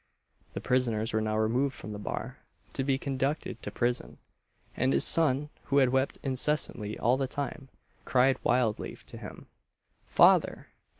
The prisoners were now removed from the bar to be conducted to prison, and his son, who had wept incessantly all the time, called wildly to him, "Father!